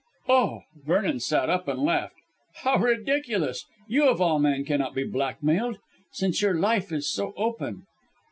"Oh!" Vernon sat up and laughed. "How ridiculous. You of all men cannot be blackmailed, since your life is so open."